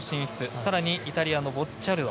さらにイタリアのボッチャルド。